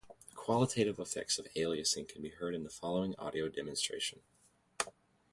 The qualitative effects of aliasing can be heard in the following audio demonstration.